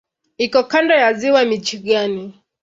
Iko kando ya Ziwa Michigan.